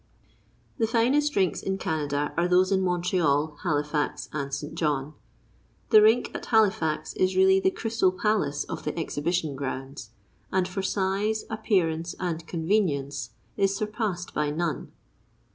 The finest rinks in Canada are those in Montreal, Halifax, and St. John. The rink at Halifax is really the Crystal Palace of the exhibition grounds, and for size, appearance, and convenience is surpassed by none.